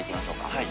はい。